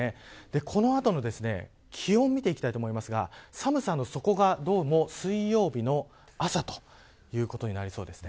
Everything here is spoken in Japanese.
この後の気温を見ていきたいと思いますが寒さの底が水曜日の朝ということになりそうです。